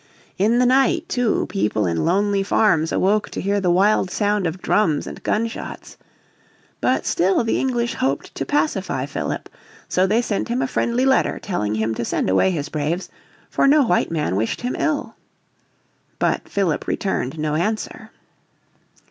In the night, too, people in lonely farms awoke to hear the wild sound of drums and gun shots. But still the English hoped to pacify Philip. So they sent him a friendly letter telling him to send away his braves, for no white man wished him ill. But Philip returned no answer.